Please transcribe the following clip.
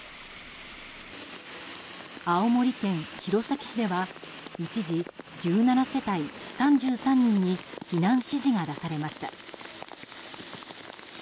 青森県弘前市では一時１７世帯３３人に避難指示が出されました。